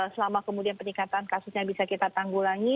selama kemudian peningkatan kasusnya bisa kita tanggulangi